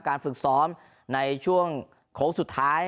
ฝึกซ้อมในช่วงโค้งสุดท้าย